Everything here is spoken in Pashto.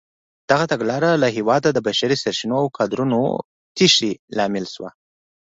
دغه تګلاره له هېواده د بشري سرچینو او کادرونو تېښتې لامل شوه.